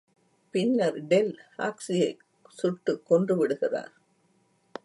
பின்னர் டெல் ஹாக்ஸியை சுட்டு கொன்றுவிடுகிறார்.